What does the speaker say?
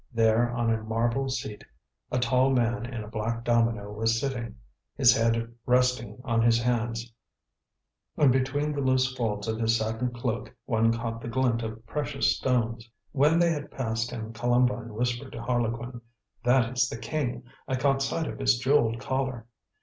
There on a marble seat a tall man in a black domino was sitting, his head resting on his hands; and between the loose folds of his satin cloak, one caught the glint of precious stones. When they had passed him Columbine whispered to Harlequin: "That is the King. I caught sight of his jewelled collar."